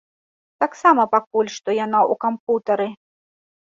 Таксама пакуль што яна ў кампутары.